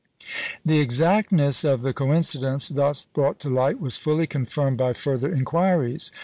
The exactness of the coincidence thus brought to light was fully confirmed by further inquiries.